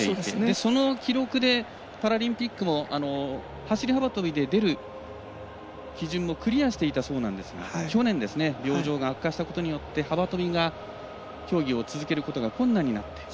その記録でパラリンピックも走り幅跳びで出る基準もクリアしていたそうなんですが去年、病状が悪化したことによって幅跳びが競技を続けることが困難になって。